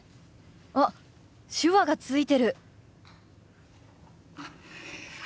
あっ手話がついてる！